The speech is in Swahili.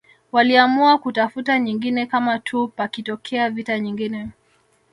Waliamua kutafuta nyingine kama tuu pakitokea vita nyingine